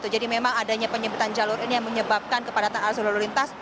jadi memang adanya penyempitan jalur ini yang menyebabkan kepadatan arus lalu lintas